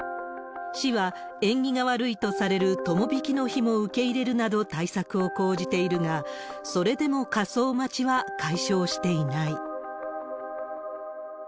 市は、縁起が悪いとされる友引の日も受け入れるなど対策を講じているが、それでも火葬待ちは解消していない。